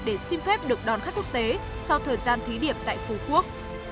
để xin phép được đón khách quốc tế sau thời gian thí điểm tại phú quốc